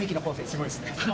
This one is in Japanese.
すごいですね。